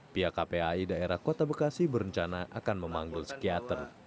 pihak kpai daerah kota bekasi berencana akan memanggil psikiater